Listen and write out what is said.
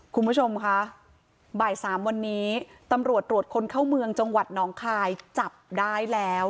คุณผู้ชมคะบ่ายสามวันนี้ตำรวจตรวจคนเข้าเมืองจังหวัดหนองคายจับได้แล้ว